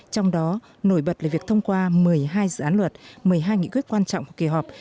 trong đó nổi bật là việc thông qua một mươi hai dự án luật một mươi hai nghị quyết quan trọng của kỳ họp